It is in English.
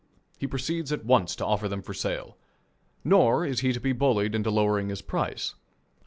He proceeds at once to offer them for sale. Nor is he to be bullied into lowering his price.